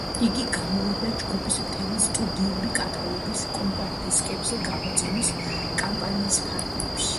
იგი გამოვიდა ჯგუფის მთელი სტუდიური კატალოგის კომპაქტ-დისკებზე გამოცემის კამპანიის ფარგლებში.